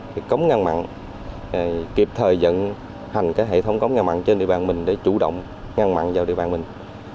các cơ quan chức năng mặn kịp thời dẫn hành hệ thống cống ngăn mặn trên địa bàn mình để chủ động ngăn mặn vào địa bàn mình